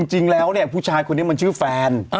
จริงแล้วเนี่ยผู้ชายคนนี้มันชื่อแฟน